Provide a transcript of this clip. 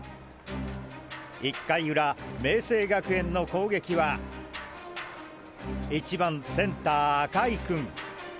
１回裏明青学園の攻撃は１番センター赤井君。